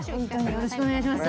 よろしくお願いします。